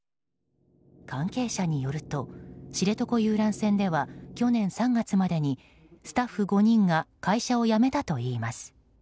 関係者によると知床遊覧船では去年３月までにスタッフ５人が会社を辞めたといいます。